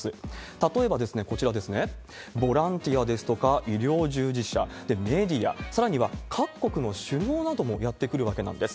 例えばこちらですね、ボランティアですとか医療従事者、メディア、さらには各国の首脳などもやって来るわけなんです。